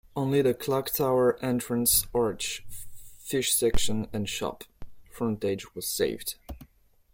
Only the clock tower, entrance arch, fish section and shop frontage was saved.